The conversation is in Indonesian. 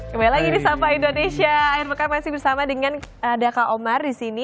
kembali lagi di sapa indonesia air pekan masih bersama dengan daka omar disini